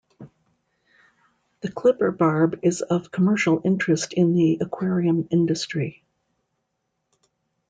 The clipper barb is of commercial interest in the aquarium industry.